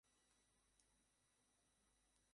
Whip, পারবো না।